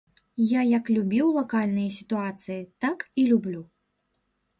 Я як любіў лакальныя сітуацыі, так і люблю.